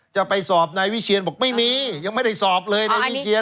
จะไปสอบนายวิเชียนบอกไม่มียังไม่ได้สอบเลยนายวิเชียน